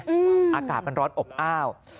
อากาศมันร้อนอบอ้าว